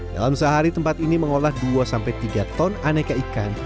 dalam sehari tempat ini mengolah dua tiga ton aneka ikan